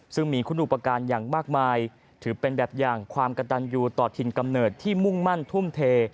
ซึ่งมีคุณอุปการณ์อย่างมากมายถือเป็นแบบอย่างความกระตันอยู่ต่อถิ่นกำเนิดที่มุ่งมั่นทุ่มเท